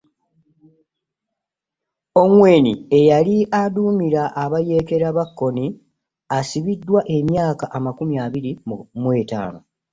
Ongwen eyali aduumira abayeekera ba Kony asibiddwa emyaka amakumi abiri mu etaano